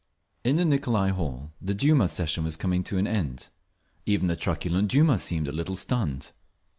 In the Nicolai Hall the Duma session was coming to an end. Even the truculent Duma seemed a little stunned.